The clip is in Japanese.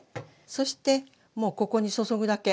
そしてもうここに注ぐだけ。